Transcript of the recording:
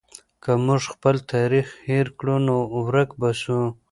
که موږ خپل تاریخ هېر کړو نو ورک به سو.